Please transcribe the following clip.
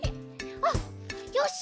あっよし！